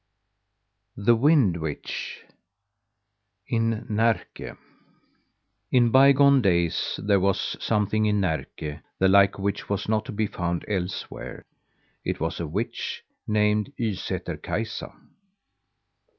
THE WIND WITCH IN NÄRKE In bygone days there was something in Närke the like of which was not to be found elsewhere: it was a witch, named Ysätter Kaisa.